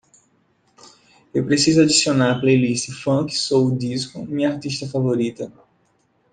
Eu preciso adicionar à playlist funk soul disco minha artista favorita